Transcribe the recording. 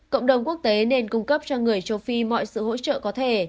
cộng đồng quốc tế nên cung cấp cho người châu phi mọi sự hỗ trợ có thể